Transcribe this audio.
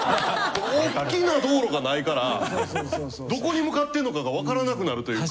おっきな道路がないからどこに向かってんのかがわからなくなるというか。